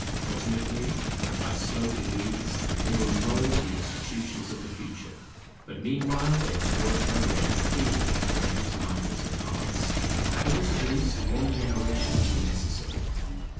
Ultimately, and by slow degrees, they will mould the institutions of the future; but meanwhile they must work their way freely into men's minds and hearts, and for this at least one generation will be necessary.